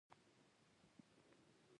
لوبې او ورزش څه شی دی باید ځواب شي.